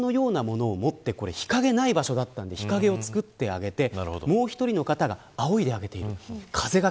１人がアクリル板のようなものを持って、日陰がない場所だったので日陰をつくってあげてもう１人の方があおいであげている。